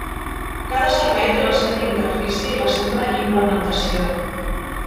Cada servei té la seva interfície i la seva implementació.